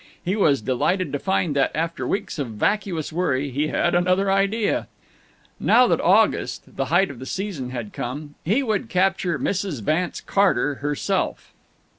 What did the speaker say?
He was delighted to find that, after weeks of vacuous worry, he had another idea. Now that August, the height of the season, had come, he would capture Mrs. Vance Carter herself.